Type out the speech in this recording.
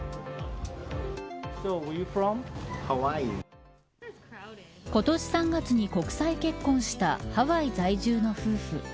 今年３月に国際結婚したハワイ在住の夫婦。